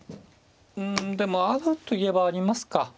うんでもあるといえばありますか。